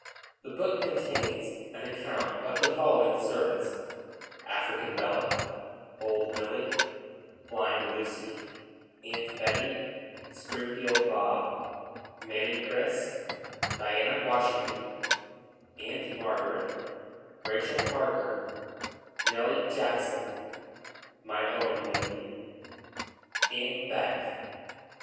The book contains an account of the following servants: African Bella, Old Milly, Blind Lucy, Aunt Betty, Springfield Bob, Mammy Chris, Diana Washington, Aunt Margaret, Rachel Parker, Nelly Jackson, My Own Mammy, Aunt Beck.